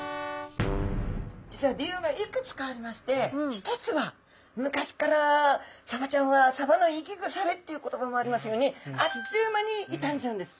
実は理由がいくつかありまして１つは昔からサバちゃんは「サバの生き腐れ」っていう言葉もありますようにあっという間に傷んじゃうんです。